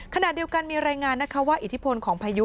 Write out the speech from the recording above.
ขณะเดียวกันมีรายงานนะคะว่าอิทธิพลของพายุ